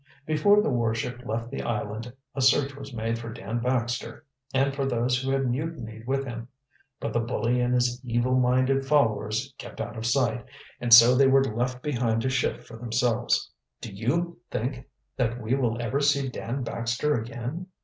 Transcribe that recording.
Before the warship left the island a search was made for Dan Baxter and for those who had mutinied with him. But the bully and his evil minded followers kept out of sight, and so they were left behind to shift for themselves. "Do you think that we will ever see Dan Baxter again?"